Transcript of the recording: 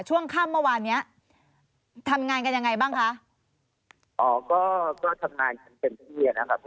ช่วงข้ามเมื่อวานนี้ทำงานกันยังไงบ้างคะอ๋อก็ก็ทำงานเต็มที่